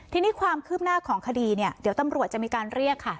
ทีนี้ความคืบหน้าของคดีเนี่ยเดี๋ยวตำรวจจะมีการเรียกค่ะ